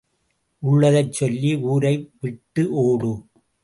உள்ளதைச் சொல்லி ஊரை விட்டு ஓடு.